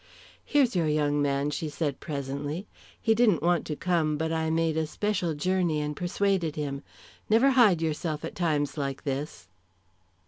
"Here's your young man," she said presently. "He didn't want to come, but I made a special journey and persuaded him. Never hide yourself at times like this."